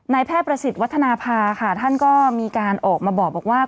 แพทย์ประสิทธิ์วัฒนภาค่ะท่านก็มีการออกมาบอกว่า